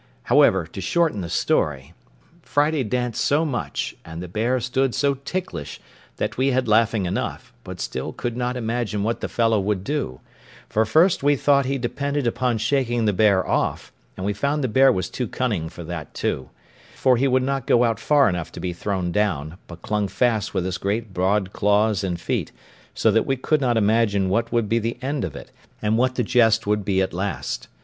However, to shorten the story, Friday danced so much, and the bear stood so ticklish, that we had laughing enough, but still could not imagine what the fellow would do: for first we thought he depended upon shaking the bear off; and we found the bear was too cunning for that too; for he would not go out far enough to be thrown down, but clung fast with his great broad claws and feet, so that we could not imagine what would be the end of it, and what the jest would be at last.